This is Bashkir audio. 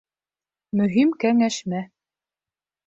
Мөһим кәңәшмә.